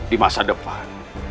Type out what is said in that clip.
di masa depan